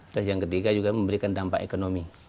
terus yang ketiga juga memberikan dampak ekonomi